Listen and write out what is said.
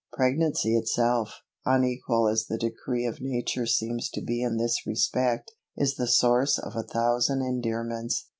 Pregnancy itself, unequal as the decree of nature seems to be in this respect, is the source of a thousand endearments.